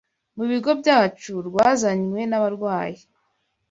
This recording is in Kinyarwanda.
mu bigo byacu rwazanywe n’abarwayi,